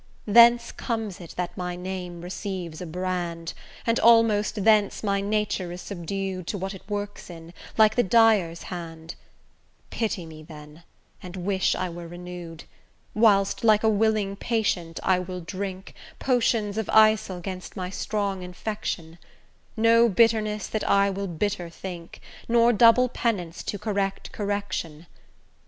Thence comes it that my name receives a brand, And almost thence my nature is subdu'd To what it works in, like the dyer's hand: Pity me, then, and wish I were renew'd; Whilst, like a willing patient, I will drink, Potions of eisel 'gainst my strong infection; No bitterness that I will bitter think, Nor double penance, to correct correction.